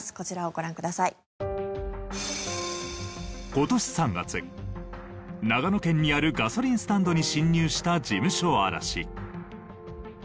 今年３月長野県にあるガソリンスタンドに侵入した事務所荒らし。